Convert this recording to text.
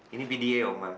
ini bda oma